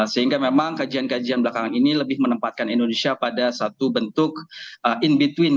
sehingga memang kajian kajian belakangan ini lebih menempatkan indonesia pada satu bentuk in between